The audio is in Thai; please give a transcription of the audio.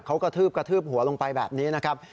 เขากระทืบกระทืบหัวลงไปแบบนี้นะครับ